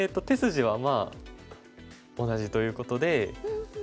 手筋はまあ同じということで。